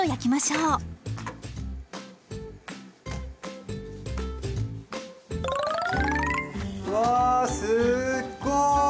うわすっごい！